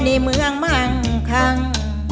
ในเมืองมั่งคัง